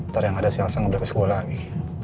nanti yang ada si elsa gak berlepas gue lagi